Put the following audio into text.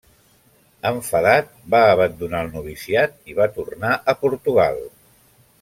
Enfadat, va abandonar el noviciat i va tornar a Portugal.